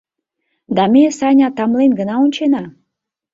— Да ме, Саня, тамлен гына ончена.